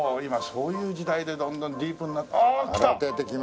今そういう時代でどんどんディープになって。